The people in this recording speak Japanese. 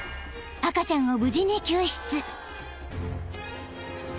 ［赤ちゃんを無事に救出］